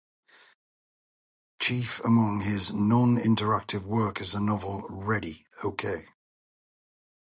Chief among his non-interactive work is a novel, Ready, Okay!